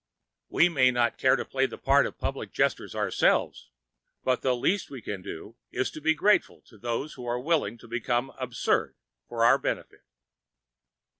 We may not care to play the part of public jesters ourselves, but the least we can do is to be grateful to those who are willing to become absurd for our benefit.